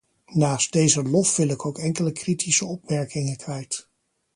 Naast deze lof wil ik ook enkele kritische opmerkingen kwijt.